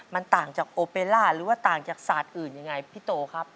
มันต่างจากโอเปล่าหรือว่าต่างจากศาสตร์อื่นยังไงพี่โตครับ